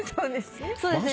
そうですね。